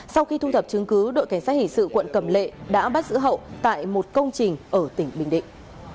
sau khi thu thập chứng cứ đội cảnh sát hình sự quận cầm lệ đã bắt giữ hậu tại một công trình ở tỉnh bình định